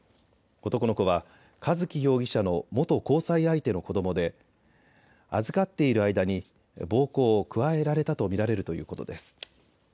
男の子は一貴容疑者の元交際相手の子どもで預かっている間に暴行を加えられたとみられるということです。